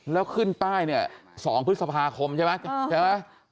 แล้วขึ้นป้ายเนี่ย๒พฤษภาคมใช่ไหมใช่ไหม